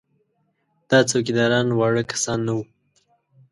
دا څوکیداران واړه کسان نه وو.